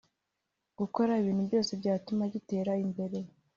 gukora ibintu byose byatuma gitera imbere